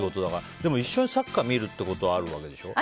でも一緒にサッカー見るってことはあるわけでしょ？